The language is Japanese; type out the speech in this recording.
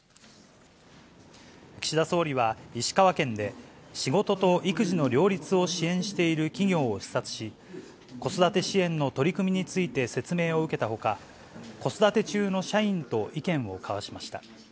岸田総理は、石川県で仕事と育児の両立を支援している企業を視察し、子育て支援の取り組みについて説明を受けたほか、子育て中の社員と意見を交わしました。